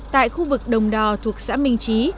tại khu vực đồng đò thuộc xã mình trí